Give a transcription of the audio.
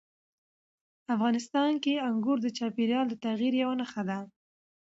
افغانستان کې انګور د چاپېریال د تغیر یوه نښه ده.